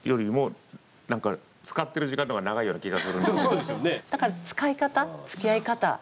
そうですよね。